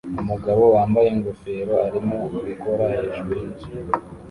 Umugabo wambaye ingofero arimo gukora hejuru yinzu